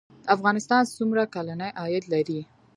افغانستان څومره کلنی عاید لري؟